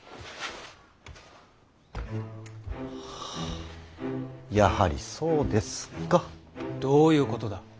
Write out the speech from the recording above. はあやはりそうですか。どういうことだ。